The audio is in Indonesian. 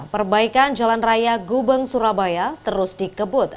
perbaikan jalan raya gubeng surabaya terus dikebut